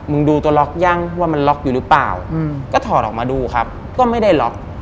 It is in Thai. ดูตัวล็อกยังว่ามันล็อกอยู่หรือเปล่าก็ถอดออกมาดูครับก็ไม่ได้ล็อก